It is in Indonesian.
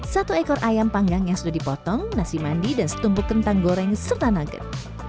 satu ekor ayam panggang yang sudah dipotong nasi mandi dan setumpuk kentang goreng serta nugget